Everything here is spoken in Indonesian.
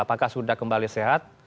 apakah sudah kembali sehat